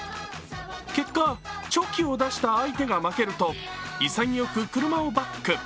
結果、チョキを出した相手が負けると潔く車をバック。